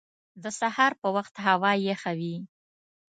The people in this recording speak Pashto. د سهار په وخت هوا یخه وي